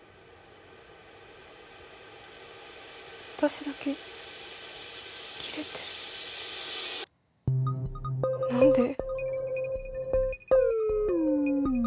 私だけ切れてる何で？